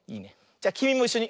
じゃきみもいっしょに。